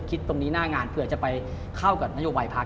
ตรงนี้หน้างานเผื่อจะไปเข้ากับนโยบายพัก